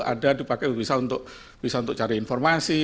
ada dipakai bisa untuk cari informasi